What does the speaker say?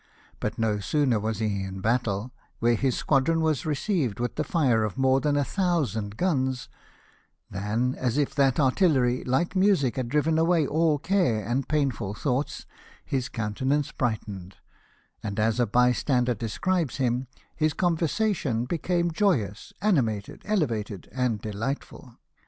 But no sooner was he in battle, where his squadron was received with the fire of more than a thousand guns, than, as if that artillery, like music, had driven away all care and painful thoughts, his countenance brightened ; and, as a bystander describes him, his conversation, became joyous, animated, elevated, and delightful.